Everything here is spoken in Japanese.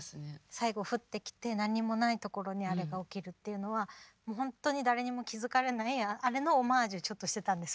最後降ってきて何もないところにあれが起きるっていうのはもう本当に誰にも気付かれないあれのオマージュちょっとしてたんです。